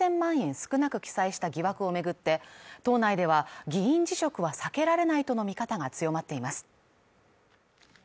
少なく記載した疑惑を巡って党内では議員辞職は避けられないとの見方が強まっています